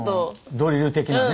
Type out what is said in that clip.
ドリル的なね。